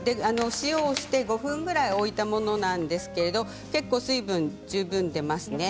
塩をして５分ぐらい置いたものなんですけれども結構、水分十分出ますね。